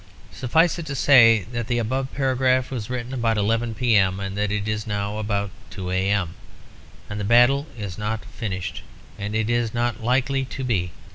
Suffice it to say that the above paragraph was written about 11 p.m., and that it is now about 2 a.m., and that the battle is not finished, and is not likely to be.